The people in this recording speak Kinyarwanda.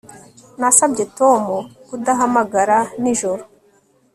Nasabye Tom kudahamagara nijoro